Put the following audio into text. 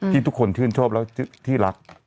ที่ทุกคนชื่นโชพแล้วที่รัก